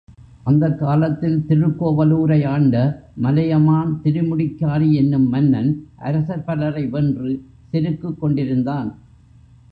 அந்தக் காலத்தில் திருக்கோவலூரை ஆண்ட மலையமான் திருமுடிக்காரி என்னும் மன்னன், அரசர் பலரை வென்று, செருக்குக் கொண்டிருந்தான்.